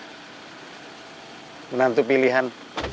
hai menantu pilihan